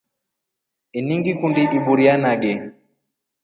Ini ngikundi iburia nage.